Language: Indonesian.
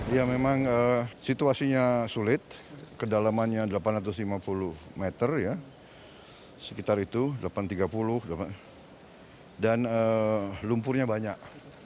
ya memang situasinya sulit kedalamannya delapan ratus lima puluh meter sekitar itu delapan ratus tiga puluh dan lumpurnya banyak